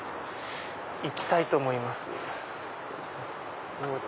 行きたいと思います。